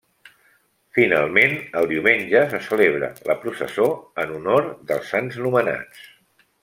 Finalment, el diumenge se celebra la processó en honor dels sants nomenats.